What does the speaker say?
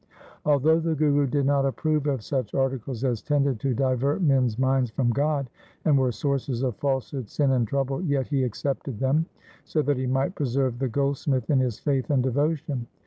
Although the Guru did not approve of such articles as tended to divert men's minds from God, and were sources of falsehood, sin, and trouble, yet he accepted them, so that he might preserve the gold smith in his faith and devotion.